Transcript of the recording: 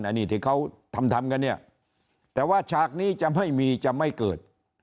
อันนี้ที่เขาทำทำกันเนี่ยแต่ว่าฉากนี้จะไม่มีจะไม่เกิด